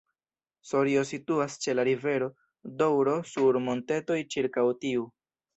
Sorio situas ĉe la rivero Doŭro sur montetoj ĉirkaŭ tiu.